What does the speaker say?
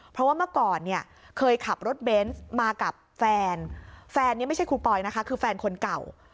เพราะว่าเมื่อก่อนเนี่ยเคยขับรถเบนส์มากับแฟนแฟนนี้ไม่ใช่ครูปอยนะคะคือแฟนคนเก่า